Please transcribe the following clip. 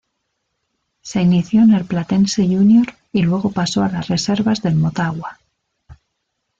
Se inició en el Platense Junior y luego pasó a las reservas del Motagua.